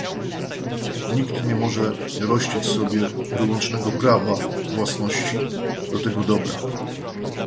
Nikt nie może rościć sobie wyłącznego prawa własności do tego dobra